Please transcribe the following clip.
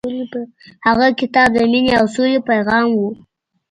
هغه کتاب د مینې او سولې پیغام و.